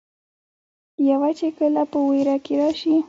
يو چې کله پۀ وېره کښې راشي